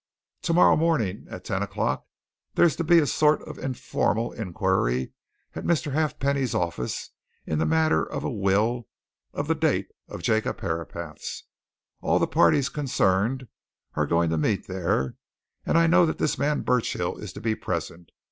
Tomorrow morning at ten o'clock there's to be a sort of informal inquiry at Mr. Halfpenny's office into the matter of a will of the date of Jacob Herapath's all the parties concerned are going to meet there, and I know that this man Burchill is to be present.